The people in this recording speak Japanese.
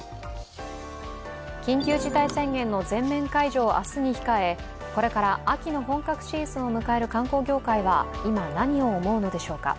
緊急事態宣言の全面解除を明日に控え、これから秋の本格シーズンを迎える観光業界は今、何を思うのでしょうか。